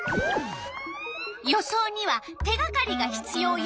予想には手がかりがひつようよね。